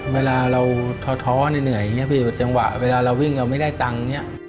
เวลาเราท้อเหนื่อยอย่างนี้พี่จังหวะเวลาเราวิ่งเราไม่ได้ตังค์เนี่ย